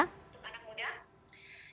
untuk anak muda